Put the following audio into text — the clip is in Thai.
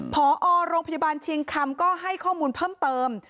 พอโรงพยาบาลเชียงคำก็ให้ข้อมูลเพิ่มเติม